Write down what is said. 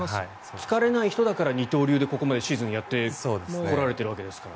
疲れない人だから二刀流でここまでシーズンをやってこられたわけですから。